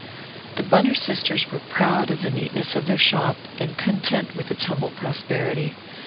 The Bunner sisters were proud of the neatness of their shop and content with its humble prosperity.